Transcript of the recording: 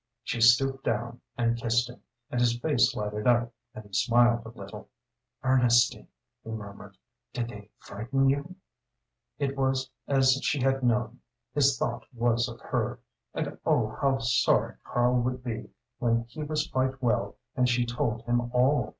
She stooped down and kissed him, and his face lighted up, and he smiled a little. "Ernestine," he murmured, "did they frighten you?" It was as she had known! His thought was of her. And oh how sorry Karl would be when he was quite well and she told him all!